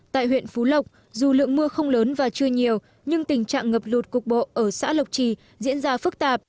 tại huyện phú lộc dù lượng mưa không lớn và chưa nhiều nhưng tình trạng ngập lụt cục bộ ở xã lộc trì diễn ra phức tạp